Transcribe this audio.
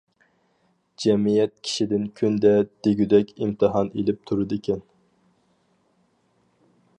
جەمئىيەت كىشىدىن كۈندە دېگۈدەك ئىمتىھان ئېلىپ تۇرىدىكەن.